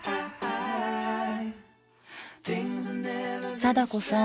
貞子さん